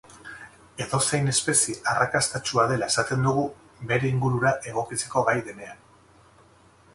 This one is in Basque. Edozein espezie arrakastatsua dela esaten dugu bere ingurura egokitzeko gai denean.